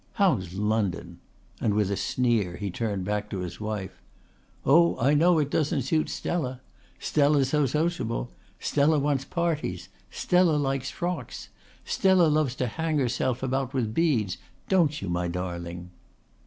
How's London?" and with a sneer he turned back to his wife. "Oh, I know it doesn't suit Stella. Stella's so sociable. Stella wants parties. Stella likes frocks. Stella loves to hang herself about with beads, don't you, my darling?"